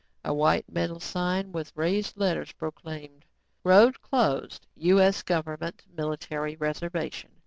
A white metal sign with raised letters proclaimed "Road Closed. U.S. Government Military Reservation.